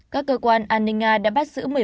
các cơ quan an ninh nga đã bắt giữ một mươi một